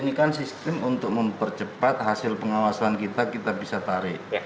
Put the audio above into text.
ini kan sistem untuk mempercepat hasil pengawasan kita kita bisa tarik